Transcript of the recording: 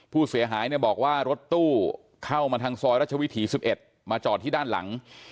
ผู้เสียหายเนี่ยบอกว่ารถตู้เข้ามาทางซอยรัชวิถี๑๑มาจอดที่ด้านหลัง